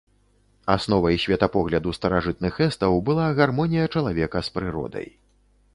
Асновай светапогляду старажытных эстаў была гармонія чалавека з прыродай.